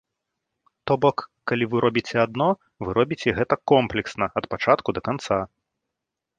То бок, калі вы робіце адно, вы робіце гэта комплексна ад пачатку да канца.